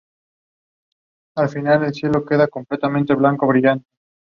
Sex trafficking and exploitation have permeated all levels of Guatemalan society.